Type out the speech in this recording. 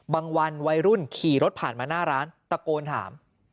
วันวัยรุ่นขี่รถผ่านมาหน้าร้านตะโกนถาม